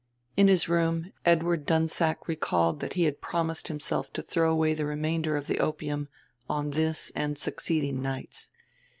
In his room Edward Dunsack recalled that he had promised himself to throw away the remainder of the opium on this and succeeding nights.